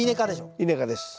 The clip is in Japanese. イネ科です。